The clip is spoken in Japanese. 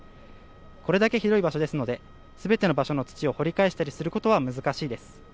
これだけ広い場所ですので全ての場所を掘り返したりすることは難しいです。